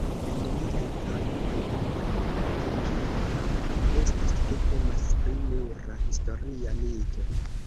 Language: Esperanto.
En niaj tagoj oni konvinkita estas ke temas pri (nura) historia mito.